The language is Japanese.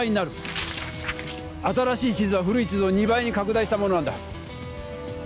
新しい地図は古い地図を２倍に拡大したものなんだ。